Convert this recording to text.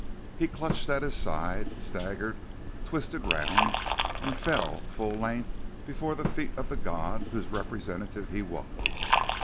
He clutched at his side, staggered, twisted round, and fell full length before the feet of the god whose representative he was.